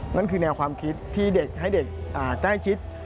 นั่นคือแนวความคิดที่เด็กให้เด็กใกล้ชิด